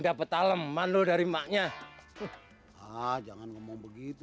dapat alem mandul dari maknya jangan ngomong begitu